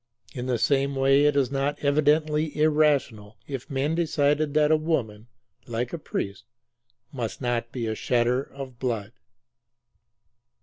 In the same way it is not evidently irrational, if men decided that a woman, like a priest, must not be a shedder of blood.